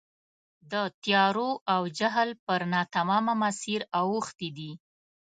د تیارو او جهل پر ناتمامه مسیر اوښتي دي.